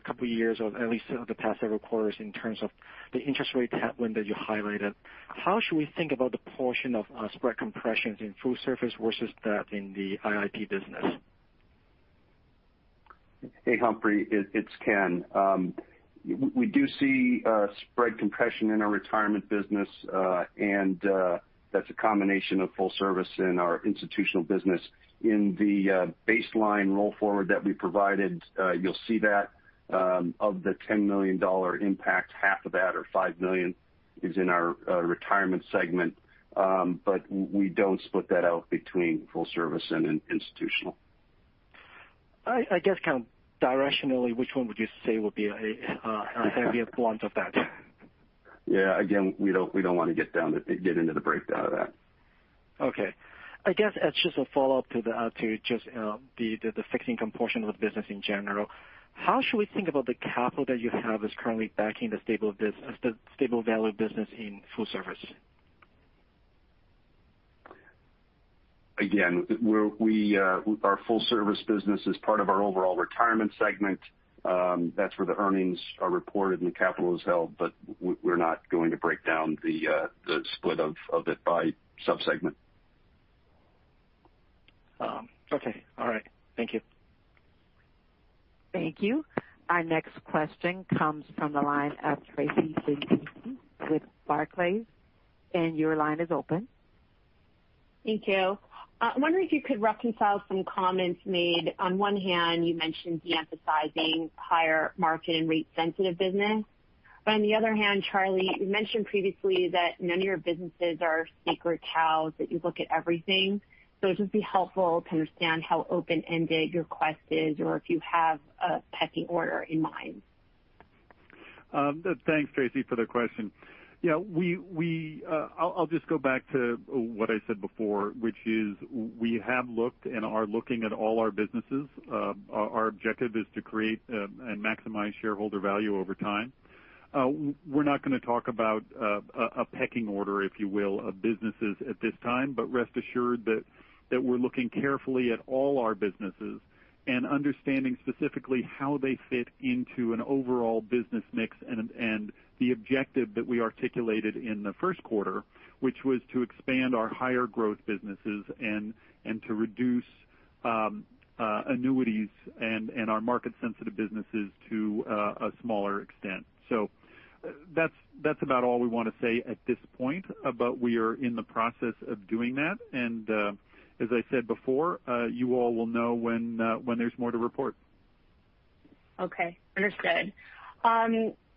couple of years of at least the past several quarters in terms of the interest rate tailwind that you highlighted, how should we think about the portion of spread compressions in full service versus that in the IIP business? Hey, Humphrey, it's Ken. We do see spread compression in our retirement business. That's a combination of full service in our institutional business. In the baseline roll forward that we provided, you'll see that of the $10 million impact, half of that or $5 million is in our retirement segment. We don't split that out between full service and institutional. I guess kind of directionally, which one would you say would be a heavier brunt of that? Yeah. Again, we don't want to get into the breakdown of that. I guess as just a follow-up to just the fixed income portion of the business in general, how should we think about the capital that you have as currently backing the stable value business in full service? Our full service business is part of our overall retirement segment. That's where the earnings are reported, and the capital is held. We're not going to break down the split of it by sub-segment. Okay. All right. Thank you. Thank you. Our next question comes from the line of Tracy with Barclays, and your line is open. Thank you. I'm wondering if you could reconcile some comments made. On one hand, you mentioned de-emphasizing higher market and rate sensitive business. On the other hand, Charlie, you mentioned previously that none of your businesses are sacred cows, that you look at everything. It would just be helpful to understand how open-ended your quest is or if you have a pecking order in mind. Thanks, Tracy, for the question. I'll just go back to what I said before, which is we have looked and are looking at all our businesses. Our objective is to create and maximize shareholder value over time. We're not going to talk about a pecking order, if you will, of businesses at this time. Rest assured that we're looking carefully at all our businesses and understanding specifically how they fit into an overall business mix and the objective that we articulated in the first quarter, which was to expand our higher growth businesses and to reduce annuities and our market-sensitive businesses to a smaller extent. That's about all we want to say at this point, but we are in the process of doing that. As I said before, you all will know when there's more to report. Okay. Understood.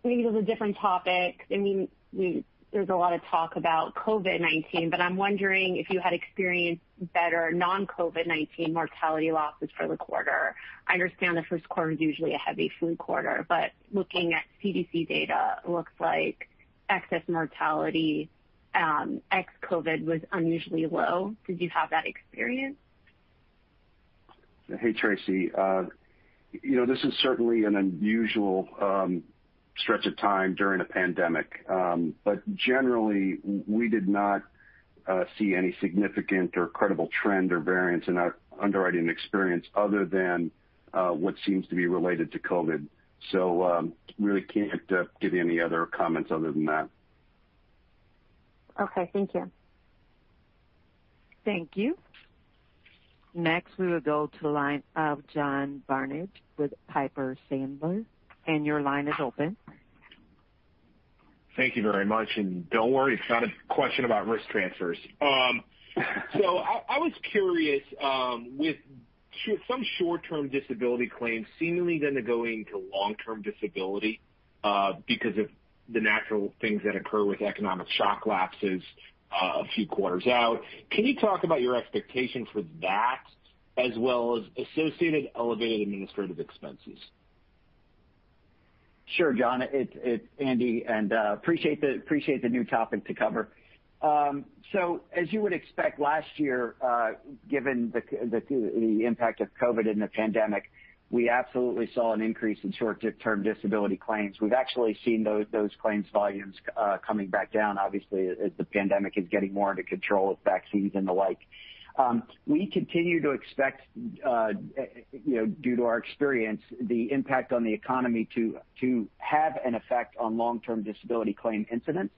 Maybe to a different topic. There's a lot of talk about COVID-19, but I'm wondering if you had experienced better non-COVID-19 mortality losses for the quarter. I understand the first quarter is usually a heavy flu quarter, but looking at CDC data looks like excess mortality ex-COVID was unusually low. Did you have that experience? Hey, Tracy. This is certainly an unusual stretch of time during a pandemic. Generally, we did not see any significant or credible trend or variance in our underwriting experience other than what seems to be related to COVID. Really can't give you any other comments other than that. Okay. Thank you. Thank you. Next, we will go to the line of John Barnidge with Piper Sandler, your line is open. Thank you very much. Don't worry, it's not a question about risk transfers. I was curious, with some short-term disability claims seemingly going to go into long-term disability because of the natural things that occur with economic shock lapses a few quarters out, can you talk about your expectations for that as well as associated elevated administrative expenses? Sure, John, it's Andy, and appreciate the new topic to cover. As you would expect, last year, given the impact of COVID-19 and the pandemic, we absolutely saw an increase in short-term disability claims. We've actually seen those claims volumes coming back down, obviously, as the pandemic is getting more under control with vaccines and the like. We continue to expect, due to our experience, the impact on the economy to have an effect on long-term disability claim incidents.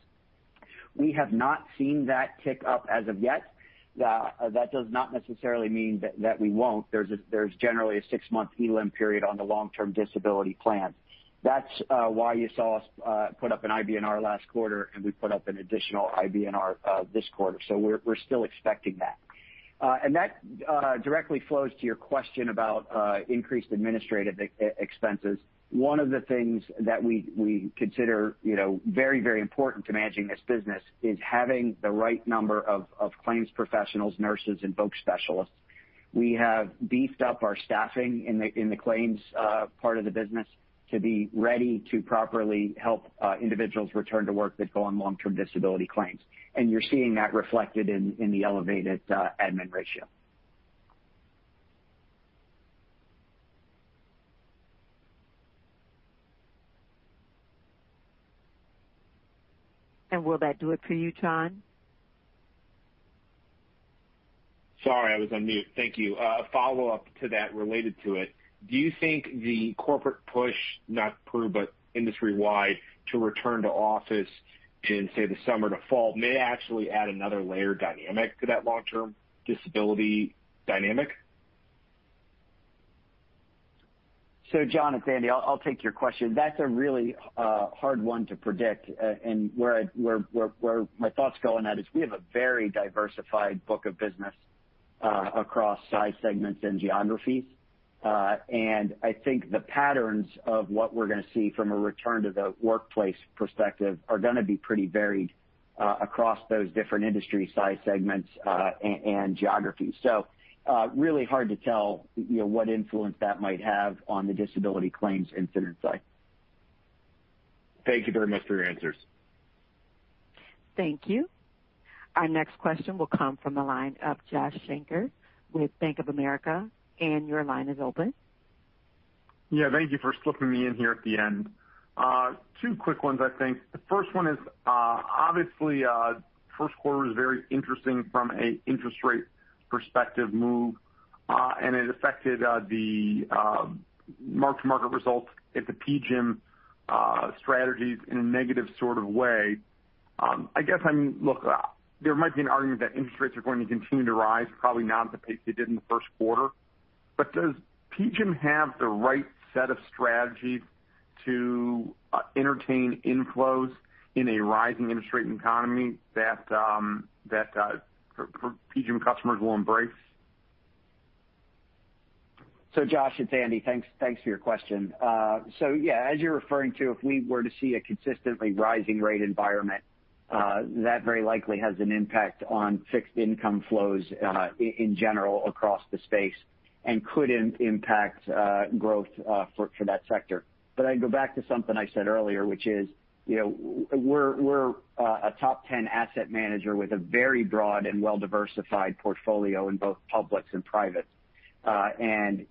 We have not seen that tick up as of yet. That does not necessarily mean that we won't. There's generally a six-month elim period on the long-term disability plan. That's why you saw us put up an IBNR last quarter, and we put up an additional IBNR this quarter. We're still expecting that. That directly flows to your question about increased administrative expenses. One of the things that we consider very important to managing this business is having the right number of claims professionals, nurses, and VOC specialists. We have beefed up our staffing in the claims part of the business to be ready to properly help individuals return to work that go on long-term disability claims, and you're seeing that reflected in the elevated admin ratio. Will that do it for you, John? Sorry, I was on mute. Thank you. A follow-up to that, related to it, do you think the corporate push, not Pru, but industry-wide, to return to office in, say, the summer to fall may actually add another layer dynamic to that long-term disability dynamic? John, it's Andy. I'll take your question. That's a really hard one to predict. Where my thoughts go on that is we have a very diversified book of business across size segments and geographies. I think the patterns of what we're going to see from a return-to-the-workplace perspective are going to be pretty varied across those different industry size segments and geographies. Really hard to tell what influence that might have on the disability claims incident side. Thank you very much for your answers. Thank you. Our next question will come from the line of Joshua Shanker with Bank of America, and your line is open. Yeah, thank you for slipping me in here at the end. Two quick ones, I think. The first one is, obviously, first quarter is very interesting from an interest rate perspective move, and it affected the mark-to-market results at the PGIM strategies in a negative sort of way. I guess, look, there might be an argument that interest rates are going to continue to rise, probably not at the pace they did in the first quarter. Does PGIM have the right set of strategies to entertain inflows in a rising interest rate economy that PGIM customers will embrace? Josh, it's Andy. Thanks for your question. As you're referring to, if we were to see a consistently rising rate environment, that very likely has an impact on fixed income flows in general across the space and could impact growth for that sector. I'd go back to something I said earlier, which is, we're a top 10 asset manager with a very broad and well-diversified portfolio in both public and private. In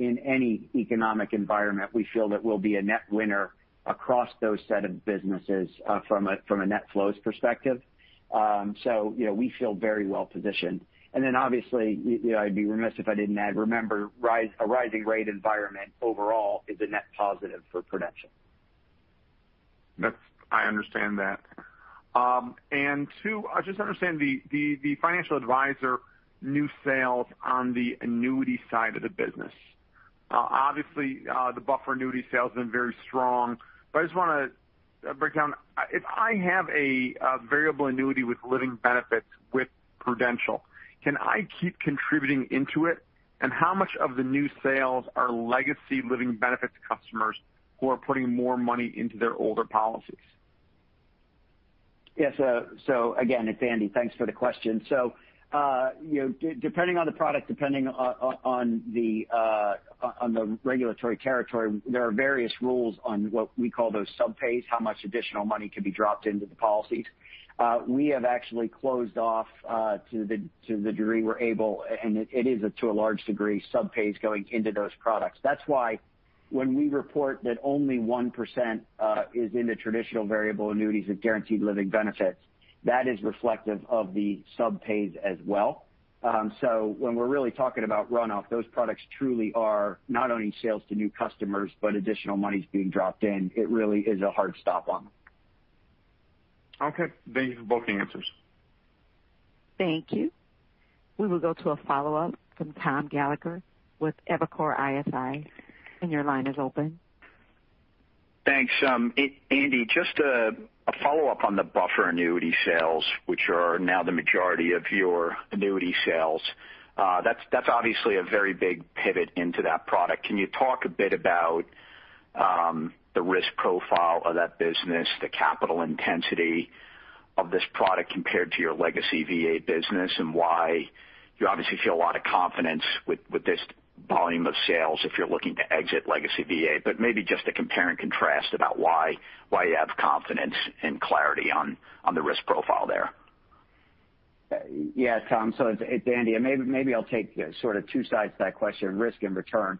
any economic environment, we feel that we'll be a net winner across those set of businesses from a net flows perspective. We feel very well positioned. I'd be remiss if I didn't add, remember, a rising rate environment overall is a net positive for production. I understand that. Two, I just understand the financial advisor new sales on the annuity side of the business. Obviously, the buffer annuity sales have been very strong, but I just want to break down. If I have a variable annuity with living benefits with Prudential, can I keep contributing into it? How much of the new sales are legacy living benefits customers who are putting more money into their older policies? Yes. Again, it's Andy. Thanks for the question. Depending on the product, depending on the regulatory territory, there are various rules on what we call those sub-pays, how much additional money can be dropped into the policies. We have actually closed off to the degree we're able, and it is to a large degree, sub-pays going into those products. That's why when we report that only 1% is in the traditional variable annuities with guaranteed living benefits, that is reflective of the sub-pays as well. When we're really talking about runoff, those products truly are not only sales to new customers, but additional monies being dropped in. It really is a hard stop on them. Okay. Thank you for both the answers. Thank you. We will go to a follow-up from Tom Gallagher with Evercore ISI. Your line is open. Thanks. Andy, just a follow-up on the buffer annuity sales, which are now the majority of your annuity sales. That's obviously a very big pivot into that product. Can you talk a bit about the risk profile of that business, the capital intensity of this product compared to your legacy VA business, and why you obviously feel a lot of confidence with this volume of sales if you're looking to exit legacy VA? Maybe just to compare and contrast about why you have confidence and clarity on the risk profile there. Yeah, Tom. It's Andy, and maybe I'll take sort of two sides to that question, risk and return.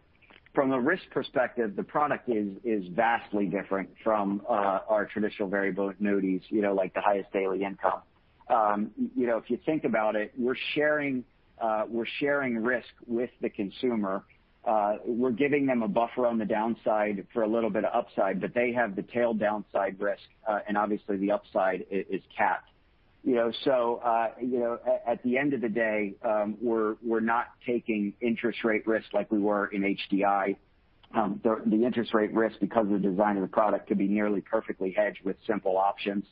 From a risk perspective, the product is vastly different from our traditional variable annuities, like the Highest Daily Lifetime Income. If you think about it, we're sharing risk with the consumer. We're giving them a buffer on the downside for a little bit of upside, but they have the tail downside risk. Obviously, the upside is capped. At the end of the day, we're not taking interest rate risks like we were in HDI. The interest rate risk, because of the design of the product, could be nearly perfectly hedged with simple options.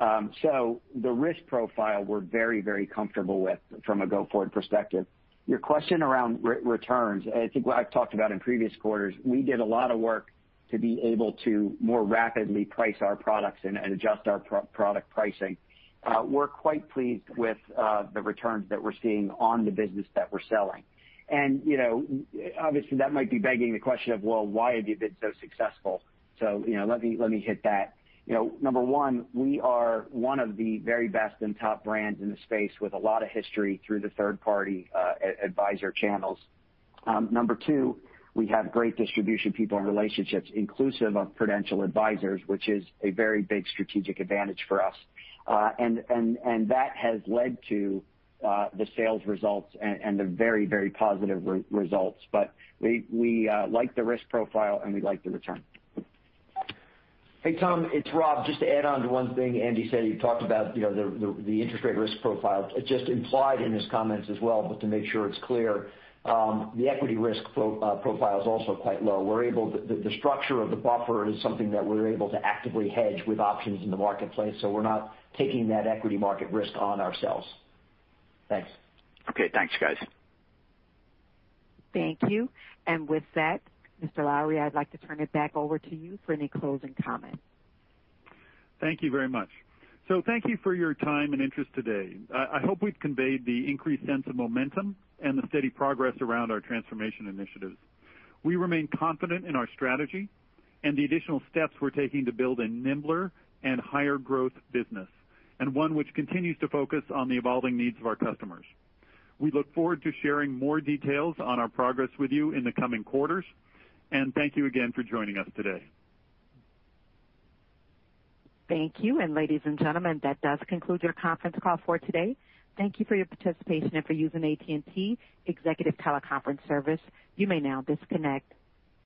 The risk profile we're very comfortable with from a go-forward perspective. Your question around returns, I think what I've talked about in previous quarters, we did a lot of work to be able to more rapidly price our products and adjust our product pricing. We're quite pleased with the returns that we're seeing on the business that we're selling. Obviously, that might be begging the question of, well, why have you been so successful? Let me hit that. Number one, we are one of the very best and top brands in the space with a lot of history through the third-party advisor channels. Number two, we have great distribution people and relationships inclusive of Prudential Advisors, which is a very big strategic advantage for us. That has led to the sales results and the very, very positive results. We like the risk profile, and we like the return. Hey, Tom, it's Rob. Just to add on to one thing Andy said, you talked about the interest rate risk profile. It just implied in his comments as well, but to make sure it's clear, the equity risk profile is also quite low. The structure of the buffer is something that we're able to actively hedge with options in the marketplace, so we're not taking that equity market risk on ourselves. Thanks. Okay, thanks, guys. Thank you. With that, Mr. Lowrey, I'd like to turn it back over to you for any closing comments. Thank you very much. Thank you for your time and interest today. I hope we've conveyed the increased sense of momentum and the steady progress around our transformation initiatives. We remain confident in our strategy and the additional steps we're taking to build a nimbler and higher growth business, and one which continues to focus on the evolving needs of our customers. We look forward to sharing more details on our progress with you in the coming quarters, and thank you again for joining us today. Thank you. Ladies and gentlemen, that does conclude your conference call for today. Thank you for your participation and for using AT&T Executive Teleconference Service. You may now disconnect.